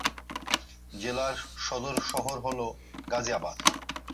জেলার সদর শহর হল গাজিয়াবাদ।